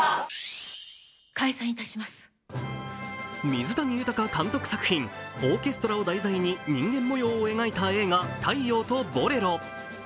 水谷豊監督作品オーケストラを題材に人間模様を描いた映画、「太陽とボレロ」。